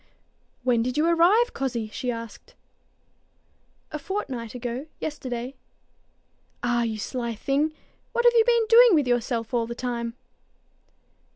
"When did you arrive, cozzie?" she asked. "A fortnight ago yesterday." "Ah, you sly thing! What have you been doing with yourself all the time?"